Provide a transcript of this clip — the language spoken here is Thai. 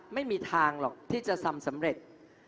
ไม่มีทางหรอกที่จะทำสำเร็จ